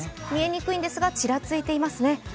見えにくいんですが、ちらついていますね。